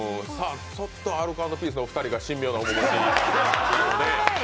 ちょっとアルコ＆ピースのお二人が神妙な面持ちに。